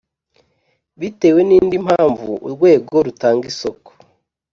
bitewe n indi mpamvu urwego rutanga isoko